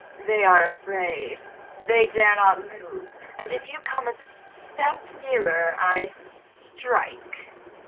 They are afraid. They dare not move, and if you come a step nearer I strike."